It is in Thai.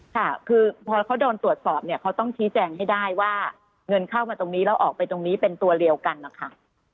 ค่ะคือพอเขาโดนตรวจสอบเนี่ยเขาต้องชี้แจงให้ได้ว่าเงินเข้ามาตรงนี้แล้วออกไปตรงนี้เป็นตัวเดียวกันนะคะ